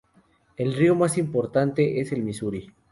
El río más importante es el Misuri.